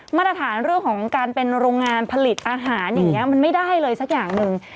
มาตรฐานเรื่องของการเป็นโรงงานผลิตอาหารอย่างนี้มันไม่ได้เลยสักอย่างหนึ่ง